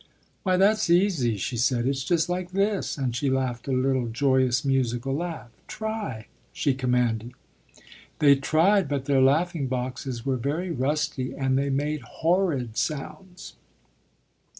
"Why, that's easy," she said, "it's just like this," and she laughed a little, joyous, musical laugh. "Try!" she commanded. They tried, but their laughing boxes were very rusty and they made horrid sounds.